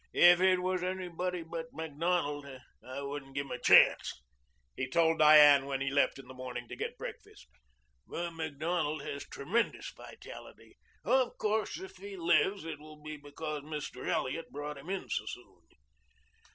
If it was anybody but Macdonald, I wouldn't give him a chance," he told Diane when he left in the morning to get breakfast. "But Macdonald has tremendous vitality. Of course if he lives it will be because Mr. Elliot brought him in so soon."